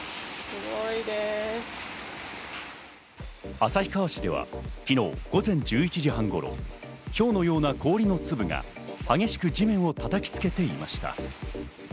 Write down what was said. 旭川市では昨日午前１１時半頃、ひょうのような氷の粒が激しく地面を叩きつけていました。